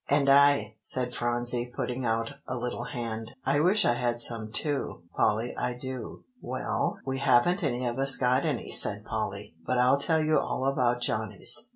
"And I," said Phronsie putting out a little hand; "I wish I had some too, Polly, I do." "Well, we haven't any of us got any," said Polly. "But I'll tell you all about Johnny's.